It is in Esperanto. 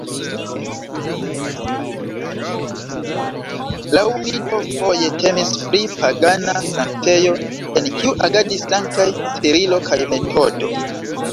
Laŭ mito foje temis pri pagana sanktejo, en kiu agadis sanktaj Cirilo kaj Metodo.